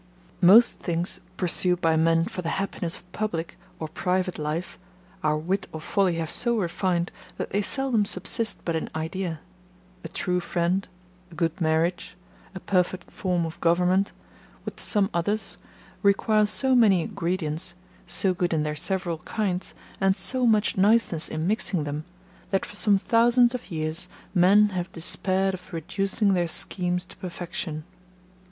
Most things, pursued by men for the happiness of public or private life, our wit or folly have so refined, that they seldom subsist but in idea; a true friend, a good marriage, a perfect form of government, with some others, require so many ingredients, so good in their several kinds, and so much niceness in mixing them, that for some thousands of years men have despaired of reducing their schemes to perfection.